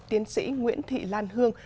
tiến sĩ nguyễn thị lan hương